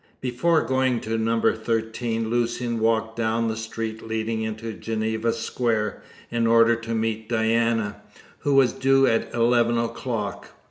Before going to No. 13, Lucian walked down the street leading into Geneva Square, in order to meet Diana, who was due at eleven o'clock.